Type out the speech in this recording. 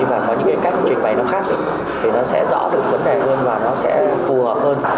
và có những cái cách trình bày nó khác thì nó sẽ rõ được vấn đề hơn và nó sẽ phù hợp hơn